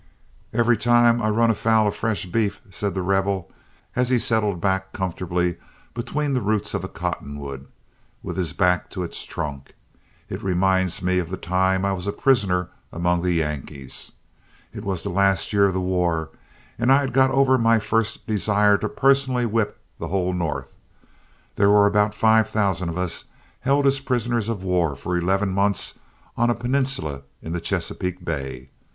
"Every time I run a foul of fresh beef," said The Rebel, as he settled back comfortably between the roots of a cottonwood, with his back to its trunk, "it reminds me of the time I was a prisoner among the Yankees. It was the last year of the war, and I had got over my first desire to personally whip the whole North. There were about five thousand of us held as prisoners of war for eleven months on a peninsula in the Chesapeake Bay.